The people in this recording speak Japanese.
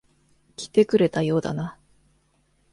来てくれたようだな。